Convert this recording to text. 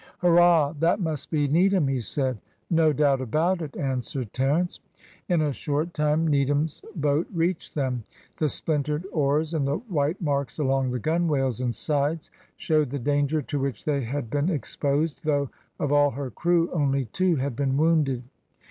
"Hurrah! that must be Needham," he said. "No doubt about it," answered Terence. In a short time Needham's boat reached them. The splintered oars, and the white marks along the gunwales and sides, showed the danger to which they had been exposed; though of all her crew, only two had been wounded.